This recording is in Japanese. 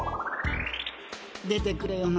出てくれよな。